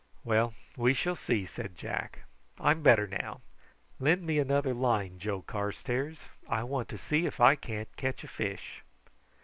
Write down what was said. "Well, we shall see," said Jack. "I'm better now. Lend me another line, Joe Carstairs. I want to see if I can't catch a fish."